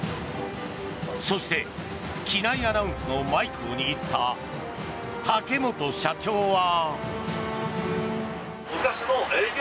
そして機内アナウンスのマイクを握った竹本社長は。